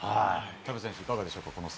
田臥選手、いかがでしょうか？